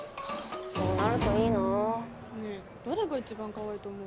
そうなるといいな・ねぇ誰が一番かわいいと思う？